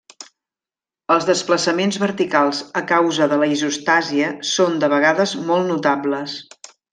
Els desplaçaments verticals a causa de la isostàsia són de vegades molt notables.